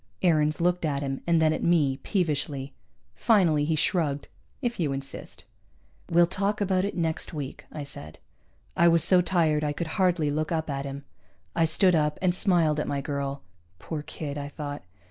Aarons looked at him, and then at me, peevishly. Finally he shrugged. "If you insist." "We'll talk about it next week," I said. I was so tired I could hardly look up at him. I stood up, and smiled at my girl. Poor kid, I thought.